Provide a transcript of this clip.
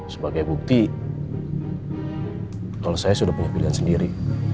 sebagai bukti kalau saya sudah punya pilihan sendiri